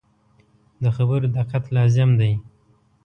د خبرو دقت لازم دی.